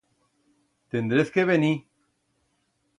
Tendrez que venir.